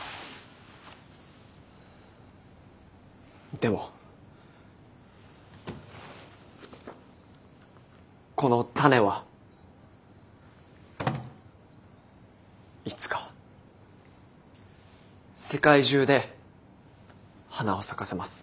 でもこの種はいつか世界中で花を咲かせます。